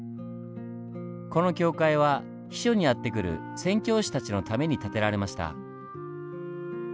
この教会は避暑にやって来る宣教師たちのために建てられました。